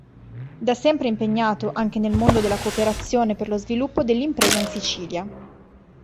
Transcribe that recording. Da sempre impegnato anche nel mondo della cooperazione per lo sviluppo dell'impresa in Sicilia.